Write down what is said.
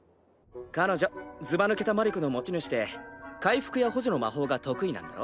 彼女ずば抜けた魔力の持ち主で回復や補助の魔法が得意なんだろ？